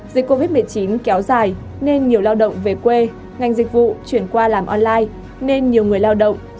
dịch covid một mươi chín kéo dài nên nhiều lao động về quê ngành dịch vụ chuyển qua làm online nên nhiều doanh nghiệp